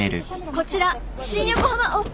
こちら新横浜あっ。